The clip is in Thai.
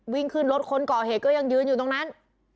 วิ่งขึ้นรถคนก่อเหตุก็ยังยืนอยู่ตรงนั้น